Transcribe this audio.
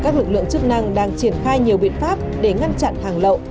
các lực lượng chức năng đang triển khai nhiều biện pháp để ngăn chặn hàng lậu